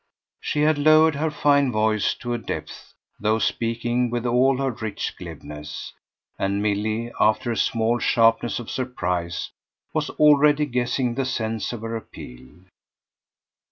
She had lowered her fine voice to a depth, though speaking with all her rich glibness; and Milly, after a small sharpness of surprise, was already guessing the sense of her appeal.